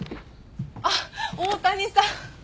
あっ大谷さん。